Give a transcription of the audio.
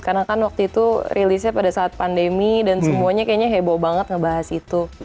karena waktu itu rilisnya pada saat pandemi dan semuanya kayaknya heboh banget ngebahas itu